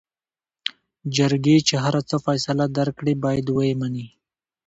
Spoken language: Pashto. جرګې چې هر څه فيصله درکړې بايد وې منې.